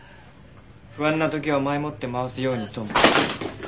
不安な時は前もって回すようにと。